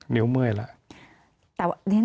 นิ้วเมื่อยแล้ว